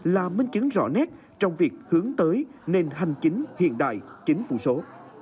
là minh chứng rõ nét trong việc hướng tới nền hành chính hiện đại chính phủ số